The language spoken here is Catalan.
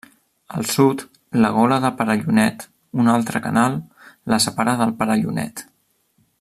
Al Sud, la Gola de Perellonet, una altra canal, la separa del Perellonet.